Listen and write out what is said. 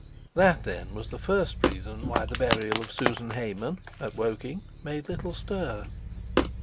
That, then, was the first reason why the burial of Susan Hayman—at Woking—made little stir.